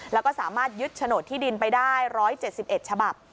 แล้วก็สามารถยึดโฉนดที่ดินไปได้๑๗๑ฉบับ